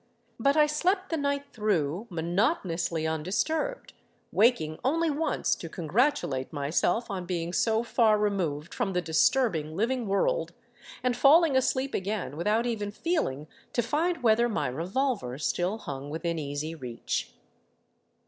But I slept the night through monotonously undisturbed, waking only once to congratulate myself on being so far removed from the disturbing living world, and falling asleep again without even feeling to find whether my revolver still hung within easy reach.